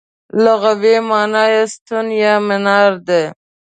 لغوي مانا یې ستون یا مینار دی.